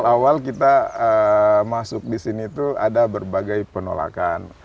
tapi kita masuk di sini tuh ada berbagai penolakan